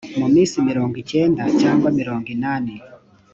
mu minsi mirongo icyenda cyangwa murgo inani